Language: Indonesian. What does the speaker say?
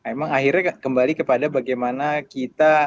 emang akhirnya kembali kepada bagaimana kita